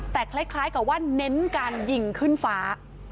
แต่คล้ายกับว่าเน้นการยิงขึ้นฟ้า